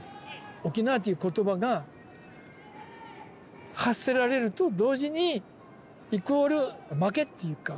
「沖縄」っていう言葉が発せられると同時にイコール負けっていうか。